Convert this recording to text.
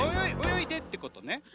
およいでってことね。